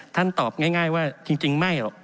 ตอบง่ายว่าจริงไม่หรอก